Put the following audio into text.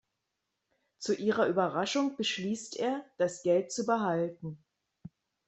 Zu ihrer Überraschung beschließt er, das Geld zu behalten.